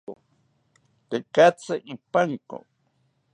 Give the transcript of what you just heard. Tekatzi ipanko